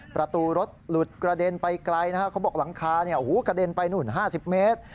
ประตูรถหลุดกระเด็นไปไกลนะครับเขาบอกหลังคากระเด็นไปนู่น๕๐เมตร